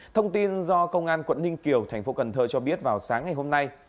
thông tin do công an quận ninh kiều thành phố cần thơ cho biết vào sáng ngày hôm nay